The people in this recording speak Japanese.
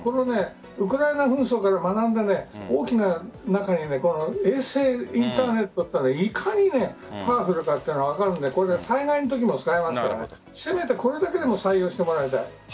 ウクライナ紛争から学んだ大きな中に衛星インターネットがいかにパワフルかというのが分かるので災害のときも使えますからせめてこれだけでも採用してもらいたい。